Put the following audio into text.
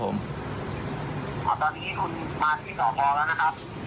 ตอนนี้คุณมาที่สพแล้วนะครับ